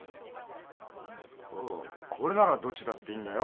お俺ならどっちだっていいんだよ。